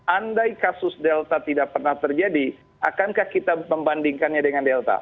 andai kasus delta tidak pernah terjadi akankah kita membandingkannya dengan delta